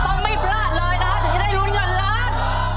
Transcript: ไม่พลาดเลยนะถึงจะได้ลุ้นเงินล้าน